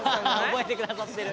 覚えてくださってる。